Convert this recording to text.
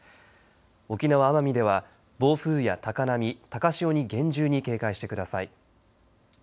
沖縄・奄美では暴風や高波、高潮に厳重に警戒してください。